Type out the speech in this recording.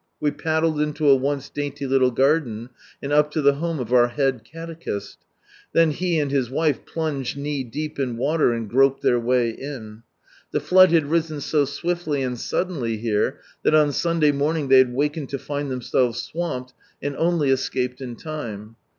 We paddled into a once dainty little garden, and up to the home of our head calechisL Then he and his wife pJunged knee deep in water and groped their way in. The flood had risen so swiftly a*^iiddenly here, that on Sunday morning they had wakened to find themselves swamped, and only escaped in time.